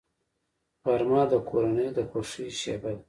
غرمه د کورنۍ د خوښۍ شیبه ده